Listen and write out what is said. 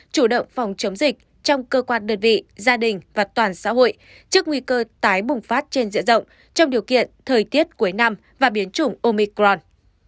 chủ động phòng chống dịch trong cơ quan đơn vị gia đình và toàn xã hội trước nguy cơ tái bùng phát trên diện rộng trong điều kiện thời tiết cuối năm và biến chủng omicron